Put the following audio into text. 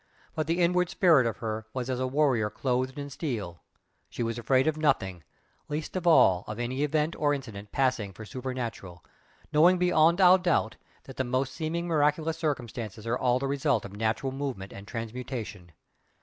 But the inward spirit of her was as a warrior clothed in steel, she was afraid of nothing least of all of any event or incident passing for "supernatural," knowing beyond all doubt that the most seeming miraculous circumstances are all the result of natural movement and transmutation.